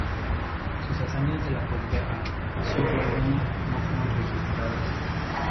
Sus hazañas de la posguerra, si hubo alguna, no fueron registradas.